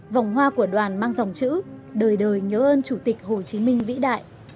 vòng hoa của đoàn mang dòng chữ đời đời nhớ ơn chủ tịch hồ chí minh vĩ đại